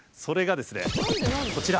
それがですね何で？